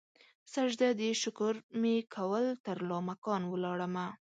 سجده د شکر مې کول ترلا مکان ولاړمه